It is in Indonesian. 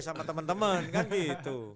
sama teman teman kan gitu